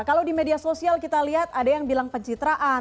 kalau di media sosial kita lihat ada yang bilang pencitraan